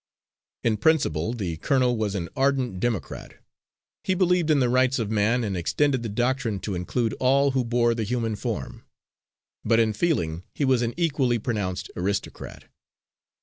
In principle the colonel was an ardent democrat; he believed in the rights of man, and extended the doctrine to include all who bore the human form. But in feeling he was an equally pronounced aristocrat.